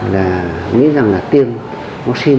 là nghĩ rằng là tiêm vaccine nó sẽ an toàn